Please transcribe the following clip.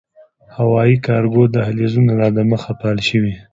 هوايي کارګو دهلېزونه لا دمخه “فعال” شوي